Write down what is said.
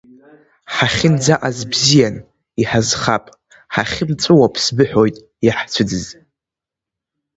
Ҳахьынӡаҟаз бзиан, иҳазхап, ҳахьымҵәыуап сбыҳәоит, иаҳцәыӡыз…